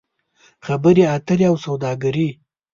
خبرې اترې او سوداګري